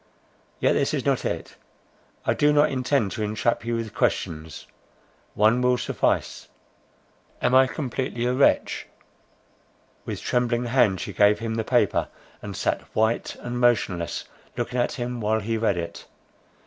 Yet this is not it—I do not intend to entrap you with questions—one will suffice—am I completely a wretch?" With trembling hand she gave him the paper, and sat white and motionless looking at him while he read it.